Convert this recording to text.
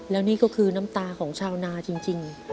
แล้วนี่ก็คือน้ำตาของชาวนาจริง